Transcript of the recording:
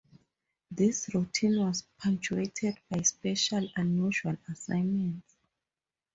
This routine was punctuated by special unusual assignments.